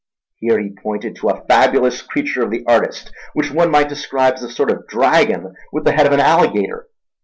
Here he pointed to a fabulous creature of the artist, which one might describe as a sort of dragon with the head of an alligator.